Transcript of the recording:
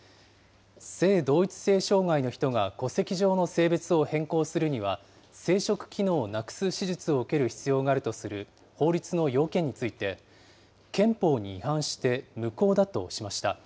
性同一性障害の人が戸籍上の性別を変更するには、生殖機能をなくす手術を受ける必要があるとする法律の要件について、憲法に違反して無効だとしました。